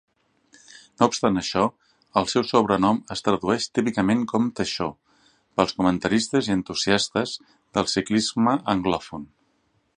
No obstant això, el seu sobrenom es tradueix típicament com "teixó" pels comentaristes i entusiastes del ciclisme anglòfon.